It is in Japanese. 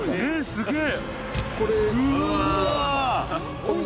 すげえ